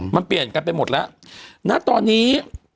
มันเปลี่ยนกันไปหมดแล้วณตอนนี้